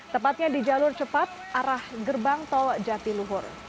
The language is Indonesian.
tepatnya di jalur cepat arah gerbang tol jatiluhur